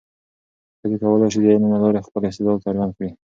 ښځې کولای شي د علم له لارې خپل استعداد څرګند کړي.